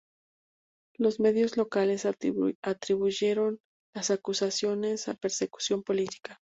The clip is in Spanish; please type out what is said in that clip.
Los medios locales atribuyeron las acusaciones a persecución política.